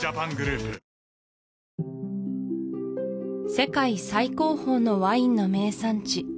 世界最高峰のワインの名産地